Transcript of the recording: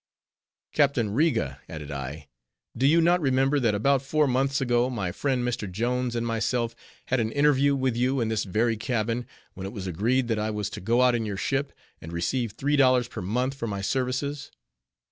"Captain Riga," added I, "do you not remember, that about four months ago, my friend Mr. Jones and myself had an interview with you in this very cabin; when it was agreed that I was to go out in your ship, and receive three dollars per month for my services?